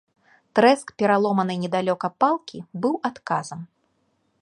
Трэск пераломанай недалёка палкі быў адказам.